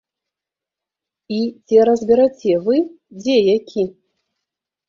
І ці разбераце вы, дзе які?